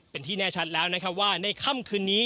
เป็นที่แน่ชัดแล้วนะครับว่าในค่ำคืนนี้